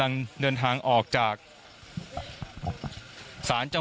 และมีความหวาดกลัวออกมา